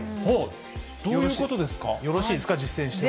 よろしいですか、実践して。